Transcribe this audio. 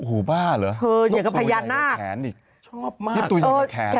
อู๋บ้าเหรอลูกสวยใหญ่กว่าแขนอีกชอบมากนี่ตัวอยู่กับแขนนี่